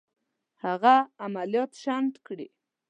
هغه عملیات شنډ کړي.